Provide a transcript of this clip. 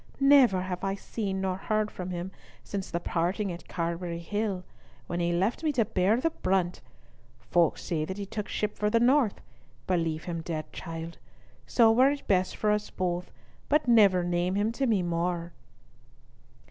Never have I seen nor heard from him since the parting at Carbery Hill, when he left me to bear the brunt! Folk say that he took ship for the north. Believe him dead, child. So were it best for us both; but never name him to me more."